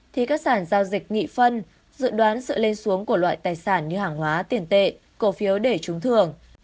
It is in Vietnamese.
thì các sản giao dịch nghị phân dự đoán sự lên xuống của loại tài sản như hàng hóa tiền tệ cổ phiếu để trúng thường